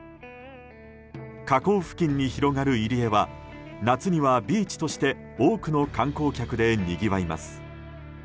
河口付近に広がる入り江は夏にはビーチとして多くの観光客でにぎわいます。